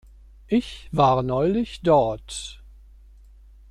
Ich war neulich dort.